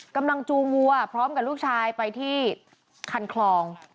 จูงวัวพร้อมกับลูกชายไปที่คันคลอง